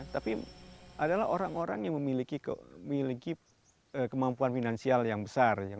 tapi adalah orang orang yang memiliki kemampuan finansial yang besar